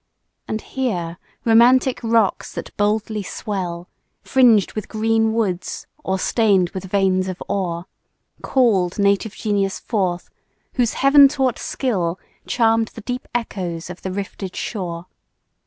And here romantic rocks that boldly swell, Fringed with green woods, or stain'd with veins of ore, Call'd native genius forth, whose Heaven taught skill Charm'd the deep echoes of the rifted shore.